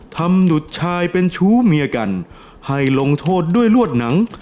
หนุดชายเป็นชู้เมียกันให้ลงโทษด้วยลวดหนัง